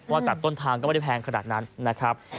จากต้นทางก็ไม่ได้แพงขนาดนั้นนะครับ